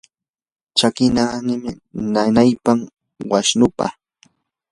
chaqannin nanaypam wanushqa.